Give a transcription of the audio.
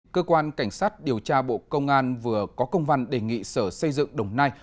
cơ quan cảnh sát điều tra bộ công an vừa có công văn đề nghị sở xây dựng đồng nai